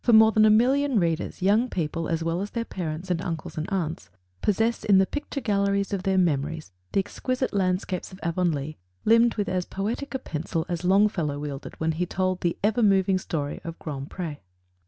More than a million readers, young people as well as their parents and uncles and aunts, possess in the picture galleries of their memories the exquisite landscapes of Avonlea, limned with as poetic a pencil as Longfellow wielded when he told the ever moving story of Grand Pre.